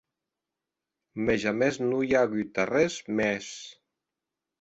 Mès jamès non i a auut arrés mès.